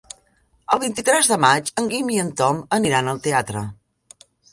El vint-i-tres de maig en Guim i en Tom aniran al teatre.